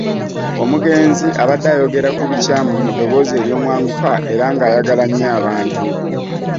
Omugenzi abadde ayogera ku bikyamu mu ddoboozi ery'omwanguka era ng'ayagala nnyo abantu.